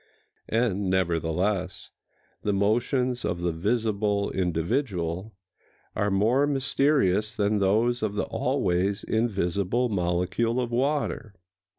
And, nevertheless, the motions of the visible individual are more mysterious than those of the always invisible molecule of water.